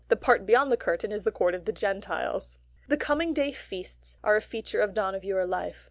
The part beyond the curtain is the court of the Gentiles. The Coming Day Feasts are a feature of Dohnavur life.